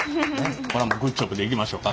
これはもうグッジョブでいきましょか。